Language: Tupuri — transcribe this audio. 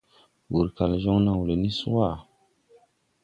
Wur kal joŋ naw le ni swaʼa.